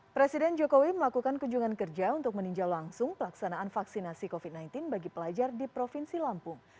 presiden jokowi melakukan kunjungan kerja untuk meninjau langsung pelaksanaan vaksinasi covid sembilan belas bagi pelajar di provinsi lampung